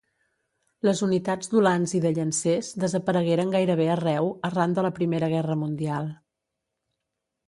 Les unitats d'ulans i de llancers desaparegueren gairebé arreu arran de la Primera Guerra Mundial.